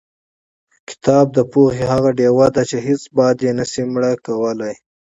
کتاب د پوهې هغه ډیوه ده چې هېڅ باد یې نشي مړ کولی.